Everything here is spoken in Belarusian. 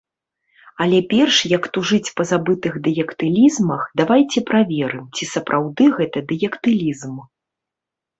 Але перш, як тужыць па забытых дыялектызмах, давайце праверым, ці сапраўды гэта дыялектызм.